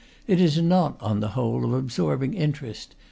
It is not, on the whole, of absorbing interest.